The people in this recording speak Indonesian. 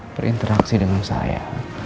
berinteraksi dengan saya